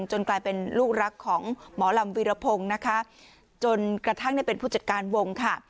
กลายเป็นลูกรักของหมอลำวีรพงศ์นะคะจนกระทั่งได้เป็นผู้จัดการวงค่ะ